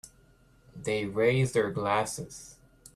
They raise their glasses.